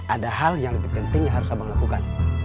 ada hal yang lebih penting yang harus abang lakukan